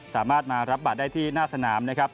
สามารถมารับบัตรได้ที่หน้าสนามนะครับ